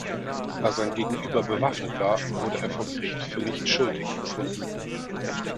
Da sein Gegenüber bewaffnet war, wurde er vor Gericht für nicht schuldig befunden.